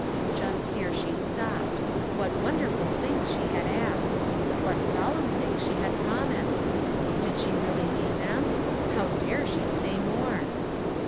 Just here she stopped. What wonderful things she had asked! What solemn things she had promised I Did she really mean them ? How dare she say more